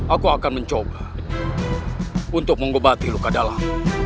aku akan mencoba untuk mengobati luka dalam